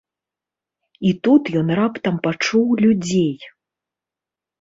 І тут ён раптам пачуў людзей.